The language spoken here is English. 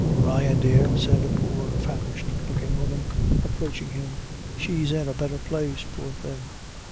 "Brian, dear," said a poor famished looking woman approaching him, "she's in a betther place, poor thing."